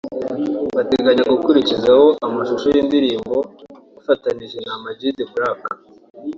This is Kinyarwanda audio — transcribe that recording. bateganya gukurikizaho amashusho y’indirimbo bafatanijemo na Ama-G The Black